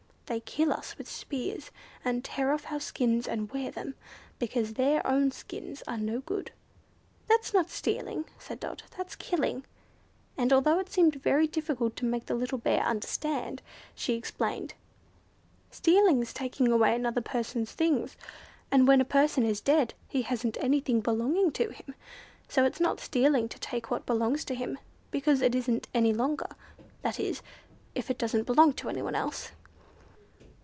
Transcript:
"They kill us with spears, and tear off our skins and wear them, because their own skins are no good." "That's not stealing," said Dot; "that's killing;" and, although it seemed very difficult to make the little Bear understand, she explained: "Stealing is taking away another person's things; and when a person is dead he hasn't anything belonging to him, so it's not stealing to take what belonged to him before, because it isn't his any longer—that is, if it doesn't belong to anyone else."